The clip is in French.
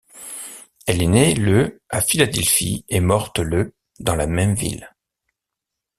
Elle est née le à Philadelphie et morte le dans la même ville.